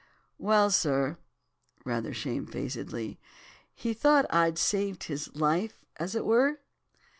"'Well, sir,' rather shamefacedly, 'he thought I'd saved his life, as it were.